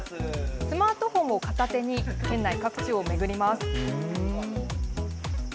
スマートフォンを片手に県内各地を巡ります。